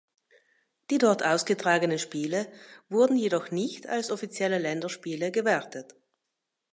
Die dort ausgetragenen Spiele wurden jedoch nicht als offizielle Länderspiele gewertet.